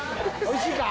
おいしいか？